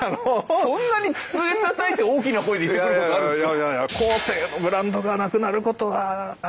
そんなに机たたいて大きな声で言ってくることあるんですか。